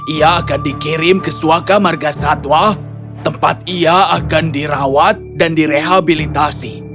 ia akan dikirim ke suaka marga satwa tempat ia akan dirawat dan direhabilitasi